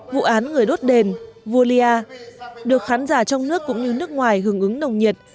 vụ án người đốt đền vualia được khán giả trong nước cũng như nước ngoài hưởng ứng nồng nhiệt